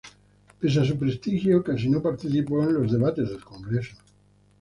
Pese a su prestigio, casi no participó en los debates del Congreso.